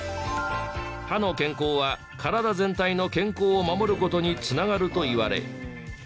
歯の健康は体全体の健康を守る事に繋がるといわれ。